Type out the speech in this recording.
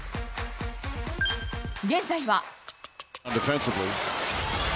現在は。